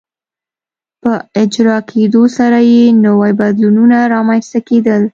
په اجرا کېدو سره یې نوي بدلونونه رامنځته کېدل.